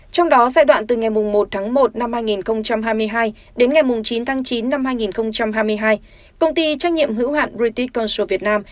trong đó giai đoạn từ ngày một một hai nghìn hai mươi hai đến ngày chín chín hai nghìn hai mươi hai công ty trách nhiệm hiếu hạn british cultural vietnam